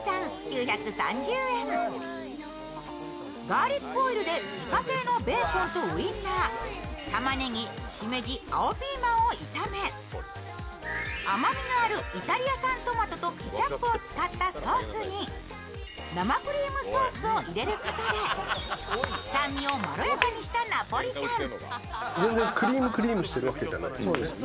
ガーリックオルイで自家製のオイルとウインー、たまねぎ、しめじ、青ピーマンを炒め甘みのあるイタリア産トマトケチャップを使ったソースに生クリームソースを入れることで酸味をまろやかにしたナポリタン。